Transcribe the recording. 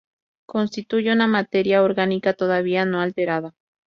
Constituye una materia orgánica todavía no alterada.